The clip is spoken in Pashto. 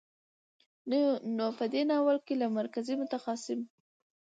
نو په دې ناول کې له مرکزي، متخاصم،